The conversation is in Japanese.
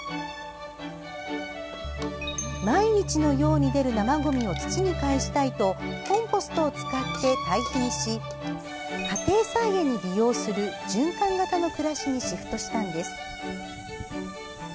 毎日のように出る生ごみを土にかえしたいとコンポストを使って堆肥にし、家庭菜園に利用する循環型の暮らしにシフトしたんです。